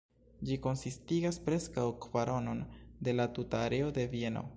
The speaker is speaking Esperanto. Ĝi konsistigas preskaŭ kvaronon de la tuta areo de Vieno.